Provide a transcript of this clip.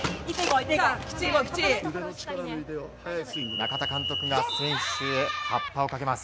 中田監督が選手へはっぱをかけます。